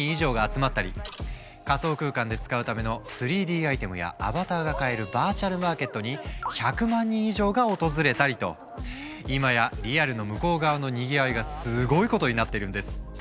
仮想空間で使うための３Ｄアイテムやアバターが買えるバーチャルマーケットにいまやリアルの向こう側のにぎわいがすごいことになっているんです。